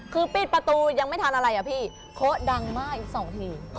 คือปิดประตูยังไม่ทันอะไรอะพี่โคะดังมากอีก๒ที